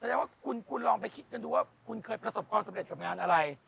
แสดงว่าคุณลองไปคิดกันดูว่าคุณเคยประสบความสำเร็จกับงานอะไร